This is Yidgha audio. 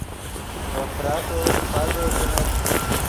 ڤے فراتو سیپادے کینت